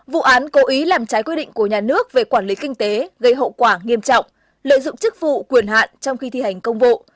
vụ án cố ý làm trái quy định của nhà nước về quản lý kinh tế gây hậu quả nghiêm trọng lợi dụng chức vụ quyền hạn trong khi thi hành công vụ